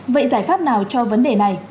vậy giải pháp nào cho vấn đề này